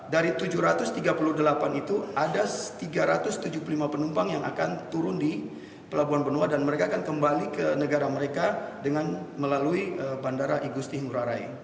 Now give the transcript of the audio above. dari tujuh ratus tiga puluh delapan itu ada tiga ratus tujuh puluh lima penumpang yang akan turun di pelabuhan benoa dan mereka akan kembali ke negara mereka dengan melalui bandara igusti ngurah rai